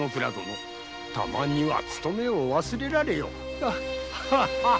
たまには勤めを忘れられよ。